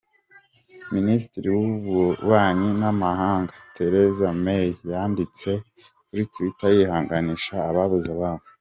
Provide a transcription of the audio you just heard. Minisitiri w’ububanyi n’amahanga, Theresa May yanditse kuri Twitter yihanganisha ababuze ababo.